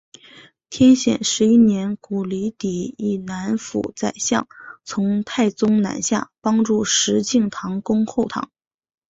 天显十一年鹘离底以南府宰相从太宗南下帮助石敬瑭攻后唐。